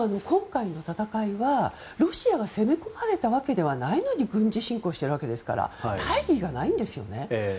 今回の戦いはロシアが攻め込まれたわけではないのに軍事侵攻しているわけですから大義がないんですよね。